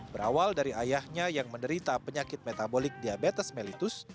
berawal dari ayahnya yang menderita penyakit metabolik diabetes mellitus